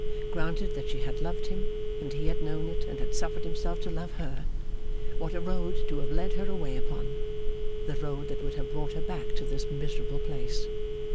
Granted that she had loved him, and he had known it and had suffered himself to love her, what a road to have led her away upon the road that would have brought her back to this miserable place!